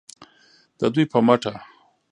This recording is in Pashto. د دوی په مټه